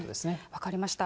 分かりました。